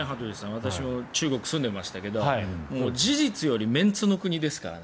私も中国に住んでいましたけど事実よりメンツの国ですからね。